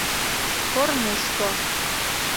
— Кормушко...